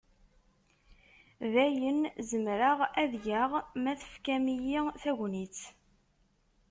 D ayen zemreɣ ad geɣ ma tefkam-iyi tagnit.